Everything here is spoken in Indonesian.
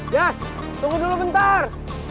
yas tunggu dulu bentar